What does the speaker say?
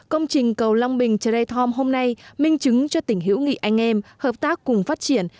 công trình cầu long bình tre rai thom hôm nay minh chứng cho tỉnh hữu nghị anh em hợp tác cùng phát triển